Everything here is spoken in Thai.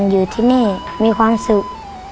อยู่ที่นี่มีความสุข